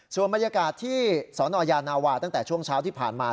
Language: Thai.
ส่วนบรรยากาศที่สนยานาวาตั้งแต่ช่วงเช้าที่ผ่านมา